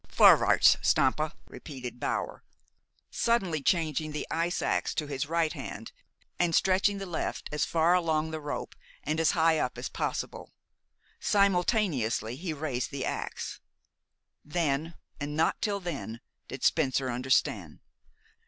_" "Vorwärtz, Stampa!" repeated Bower, suddenly changing the ice ax to his right hand and stretching the left as far along the rope and as high up as possible. Simultaneously he raised the ax. Then, and not till then, did Spencer understand.